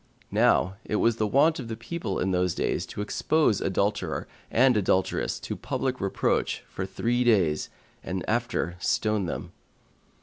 Now it was the wont of the people in those days to expose adulterer and adulteress to public reproach for three days, and after stone them.